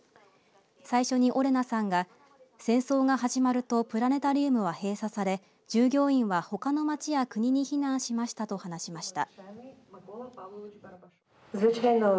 最初にオレナさんが戦争が始まるとプラネタリウムは閉鎖され従業員はほかの町や国に避難しましたと話しました。